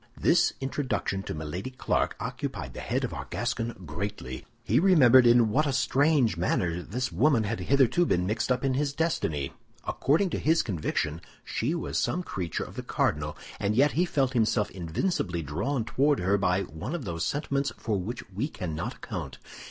This introduction to Milady Clarik occupied the head of our Gascon greatly. He remembered in what a strange manner this woman had hitherto been mixed up in his destiny. According to his conviction, she was some creature of the cardinal, and yet he felt himself invincibly drawn toward her by one of those sentiments for which we cannot account.